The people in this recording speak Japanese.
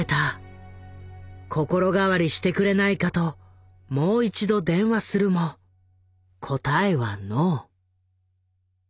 心変わりしてくれないかともう一度電話するも答えはノー。